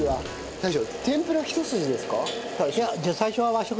大将。